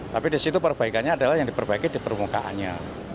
tapi di situ perbaikannya adalah yang diperbaiki di permukaannya